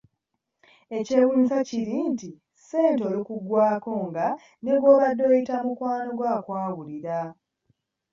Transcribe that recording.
Ekyewuunyisa kiri nti ssente olukuggwaako nga ne gw'obadde oyita mukwano gwo akwabulira.